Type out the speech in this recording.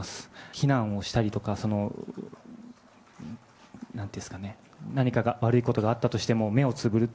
非難をしたりとか、なんていうんですかね、何かが、悪いことがあったとしても、目をつぶる。